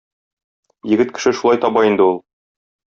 Егет кеше шулай таба инде ул.